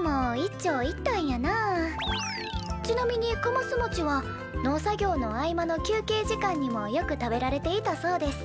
「ちなみにかますもちは農作業の合間の休けい時間にもよく食べられていたそうです」。